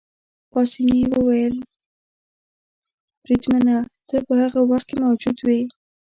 پاسیني وویل: بریدمنه، ته په هغه وخت کې موجود وې؟